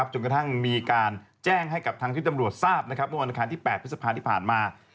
จนกระทั่งมีการแจ้งให้กับทั้งที่ตำรวจทราบนะครับบนบริษัทที่๘พฤษภาพที่ผ่านมา